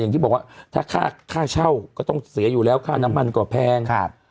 อย่างที่บอกว่าถ้าค่าเช่าก็ต้องเสียอยู่แล้วค่าน้ำมันก็แพง